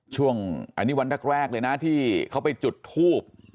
ช่วงอันนี้วันแรกเลยนะที่เขาไปจุดทูบ